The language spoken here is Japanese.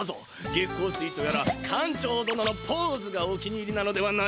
月光水とやら館長どののポーズがお気に入りなのではないか？